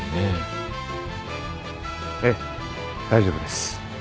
ええ大丈夫です